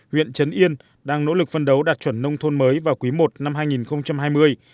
huyện trấn yên đang nỗ lực phân đấu đạt chuẩn nông thôn mới vào quý i năm hai nghìn hai mươi